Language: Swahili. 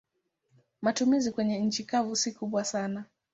Matumizi kwenye nchi kavu si kubwa sana.